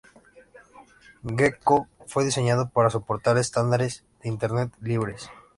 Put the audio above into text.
Gecko fue diseñado para soportar estándares de Internet libres.